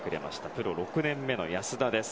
プロ６年目の安田です。